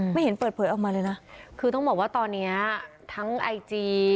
ไม่เห็นเปิดเผยออกมาเลยนะคือต้องบอกว่าตอนนี้ทั้งไอจี